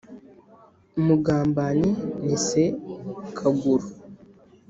umugambanyi ni se kaguru